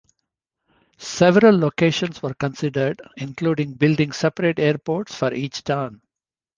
Several locations were considered, including building separate airports for each town.